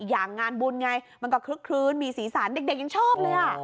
อย่างงานบุญไงมันก็คลึ้นมีศีรษะเด็กยังชอบเลยอ่ะ